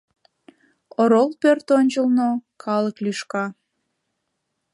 Орол пӧрт ончылно калык лӱшка.